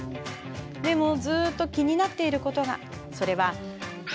でもずっと気になっていることが。